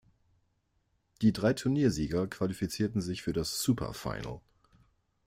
Die drei Turniersieger qualifizierten sich für das "Super Final".